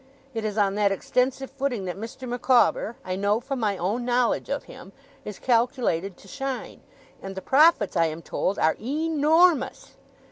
It is on that extensive footing that Mr. Micawber, I know from my own knowledge of him, is calculated to shine; and the profits, I am told, are e NOR MOUS!